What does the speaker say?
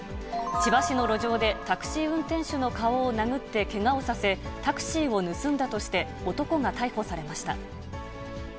千葉市の路上で、タクシー運転手の顔を殴ってけがをさせ、タクシーを盗んだとして、男が逮捕されました。